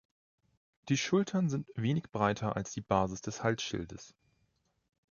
Die Schultern sind wenig breiter als die Basis des Halsschildes.